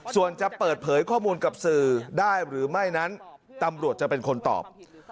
ส่วนจะเปิดเผยข้อมูลกับสื่อได้หรือไม่นั้นตำรวจจะเป็นคนตอบ